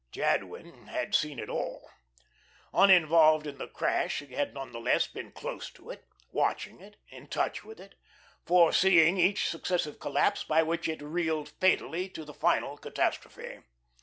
Jadwin had seen it all. Uninvolved in the crash, he had none the less been close to it, watching it, in touch with it, foreseeing each successive collapse by which it reeled fatally to the final catastrophe.